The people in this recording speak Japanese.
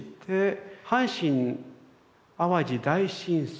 阪神・淡路大震災。